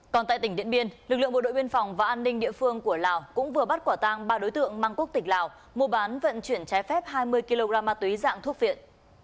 còn tại tỉnh điện biên lực lượng bộ đội biên phòng và an ninh địa phương của lào cũng vừa bắt quả tang ba đối tượng mang quốc tịch lào mua bán vận chuyển trái phép hai mươi kg ma túy dạng thuốc viện